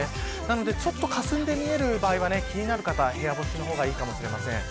なので、かすんで見える場合は気になる方部屋干しの方がいいかもしれません。